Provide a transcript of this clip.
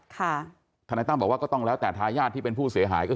ถ้านายตั้มบอกว่าก็ต้องแล้วแต่แล้วอาการที่เป็นผู้เสียหาย